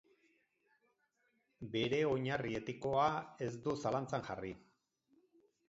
Bere oinarri etikoa ez du zalantzan jarri.